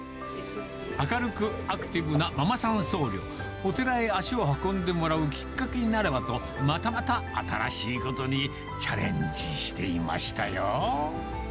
明るくアクティブなママさん僧侶、お寺へ足を運んでもらうきっかけになればと、またまた新しいことにチャレンジしていましたよ。